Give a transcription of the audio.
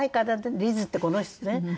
リズってこの人ね。